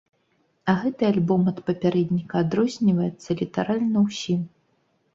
А гэты альбом ад папярэдніка адрозніваецца літаральна ўсім.